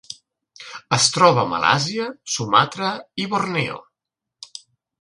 Es troba a Malàisia, Sumatra i Borneo.